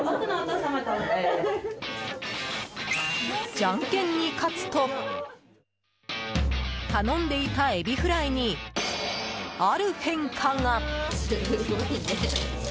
ジャンケンに勝つと頼んでいたエビフライにある変化が。